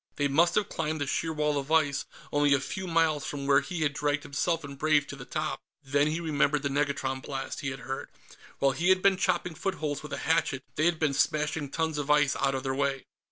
They must have climbed the sheer wall of ice, only a few miles from where he had dragged himself and Brave to the top. Then he remembered the negatron blasts he had heard. While he had been chopping footholds with a hatchet, they had been smashing tons of ice out of their way.